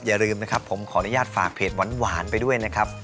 อย่าลืมนะครับผมขออนุญาตฝากเพจหวานไปด้วยนะครับ